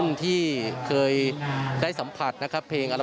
และก็มีการกินยาละลายริ่มเลือดแล้วก็ยาละลายขายมันมาเลยตลอดครับ